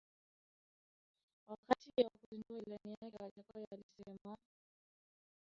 Wakati wa kuzindua ilani yake Wajackoya alisema